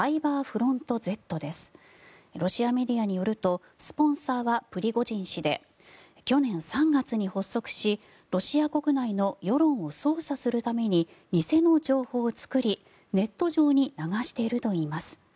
ロシアメディアによるとスポンサーはプリゴジン氏で去年３月に発足しロシア国内の世論を操作するために偽の情報を作り、ネット上に流しているといいます。